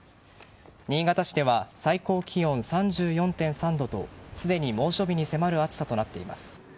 新潟市では最高気温３４．３度とすでに猛暑日に迫る暑さとなっています。